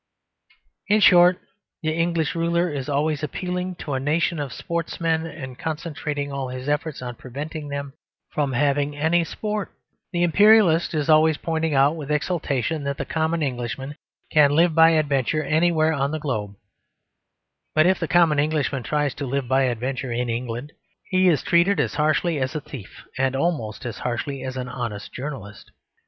In short, the English ruler is always appealing to a nation of sportsmen and concentrating all his efforts on preventing them from having any sport. The Imperialist is always pointing out with exultation that the common Englishman can live by adventure anywhere on the globe, but if the common Englishman tries to live by adventure in England, he is treated as harshly as a thief, and almost as harshly as an honest journalist.